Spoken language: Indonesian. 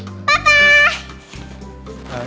eh aduh aduh